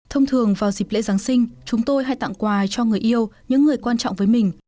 thông thường vào dịp lễ giáng sinh chúng tôi hay tặng quà cho người yêu những người quan trọng với mình